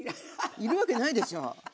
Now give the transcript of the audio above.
要るわけないでしょ。